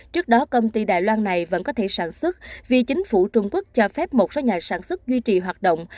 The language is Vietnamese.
trước đó công ty đài loan này vẫn có thể sản xuất vì chính phủ trung quốc cho phép một số nhà sản xuất duy trì hoạt động